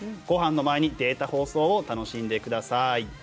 ごはんの前にデータ放送を楽しんでください。